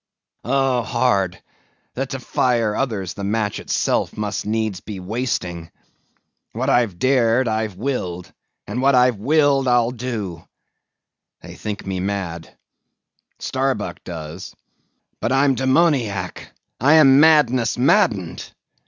Oh, hard! that to fire others, the match itself must needs be wasting! What I've dared, I've willed; and what I've willed, I'll do! They think me mad—Starbuck does; but I'm demoniac, I am madness maddened!